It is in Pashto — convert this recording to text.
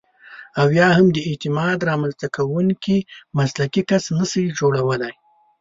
او یا هم د اعتماد رامنځته کوونکی مسلکي کس نشئ جوړولای.